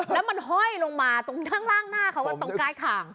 แล้วมันห้อยลงมาตรงข้างล่างหน้าเขาตรงใต้คาง